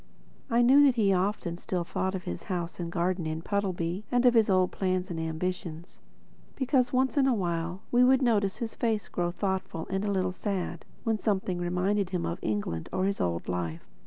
I knew that he often still thought of his house and garden in Puddleby and of his old plans and ambitions; because once in a while we would notice his face grow thoughtful and a little sad, when something reminded him of England or his old life.